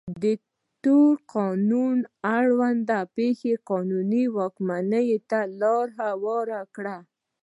د تور قانون اړوند پېښې قانون واکمنۍ ته لار هواره کړې وه.